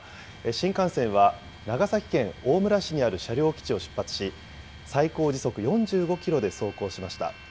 新幹線は長崎県大村市にある車両基地を出発し、最高時速４５キロで走行しました。